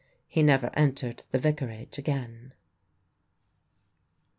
He never entered the Vicarage again.